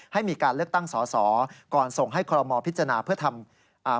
ให้มีการเลือกตั้งสอสอก่อนส่งให้คลมพิจารณา